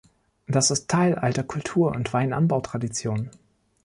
Das ist Teil alter Kultur und Weinanbautradition.